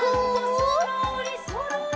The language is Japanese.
「そろーりそろり」